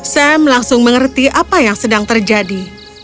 sam langsung mengerti apa yang sedang terjadi